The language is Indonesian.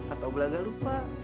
atau belakang lupa